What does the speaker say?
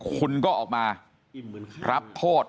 คุณก็ออกมารับโทษ